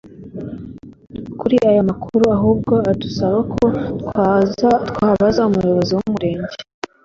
Kuri aya makuru ahubwo adusaba ko twabaza ubuyobozi bw’umurenge.